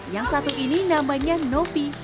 yang satu ini namanya novi